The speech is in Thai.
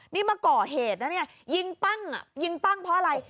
นี่มาเกราะเหตุนะเนี่ยยิงปั้งอย่างเมื่ออะไร